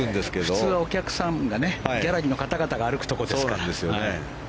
普通、ギャラリーの方々が歩くところですから。